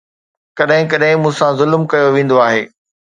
ڪڏهن ڪڏهن مون سان ظلم ڪيو ويندو آهي